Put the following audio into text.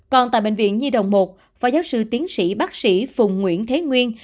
còn tại bệnh viện nhi đồng một phó giáo sư tiến sĩ bác sĩ phùng nguyễn thế nguyên